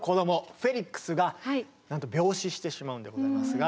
フェリックスがなんと病死してしまうんでございますが。